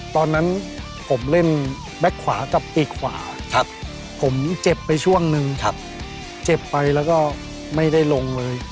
ตอนนั้นผมเล่นแบ็คขวากับปีกขวาผมเจ็บไปช่วงนึงเจ็บไปแล้วก็ไม่ได้ลงเลย